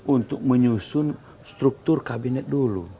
untuk menyusun struktur kabinet dulu